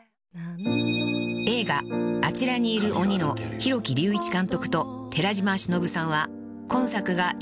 ［映画『あちらにいる鬼』の廣木隆一監督と寺島しのぶさんは今作が４度目のタッグ］